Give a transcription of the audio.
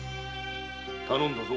頼んだぞ。